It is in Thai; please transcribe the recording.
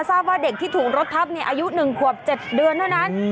ว่าเด็กที่ถูกรถทับอายุ๑ขวบ๗เดือนเท่านั้น